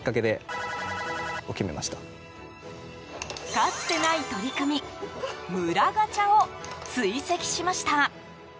かつてない取り組み村ガチャを追跡しました。